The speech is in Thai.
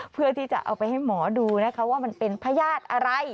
เพื่อที่จะเอาไปให้หมอดูนะคะว่ามันเป็นพญาติอะไร